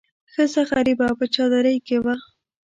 ښځه غریبه په چادرۍ کې وه.